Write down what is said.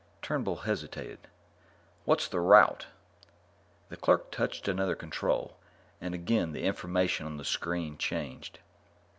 Turnbull hesitated. "What's the route?" The clerk touched another control, and again the information on the screen changed.